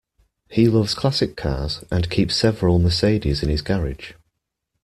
He loves classic cars, and keeps several Mercedes in his garage